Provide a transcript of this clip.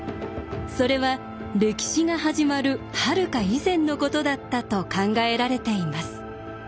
それは歴史が始まるはるか以前のことだったと考えられています。